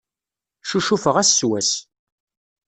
Ccucufeɣ ass s wass.